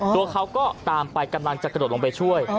ตัวเขาก็ตามไปกำลังจะกระโดดลงไปช่วย